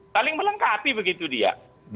saling melengkapi begitu dia